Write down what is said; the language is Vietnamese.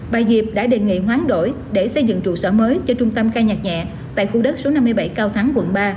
bà diệp đã đề nghị hoán đổi để xây dựng trụ sở mới cho trung tâm ca nhạc nhẹ tại khu đất số năm mươi bảy cao thắng quận ba